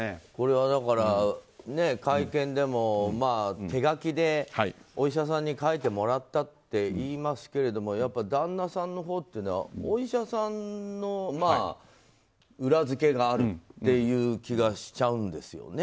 だから会見でも、手書きでお医者さんに書いてもらったっていいますけどやっぱり旦那さんのほうはお医者さんの裏付けがあるという気がしちゃうんですよね。